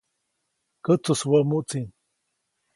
Kätsujswoʼmuʼtsi.